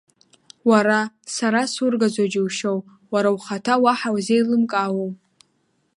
Уара, сара сургаӡо џьушьоу, уара ухаҭа уаҳа узеилымкаауоу?